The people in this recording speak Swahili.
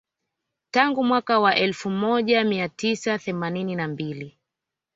Tangu mwaka wa elfu moja mia tisa themanini na mbili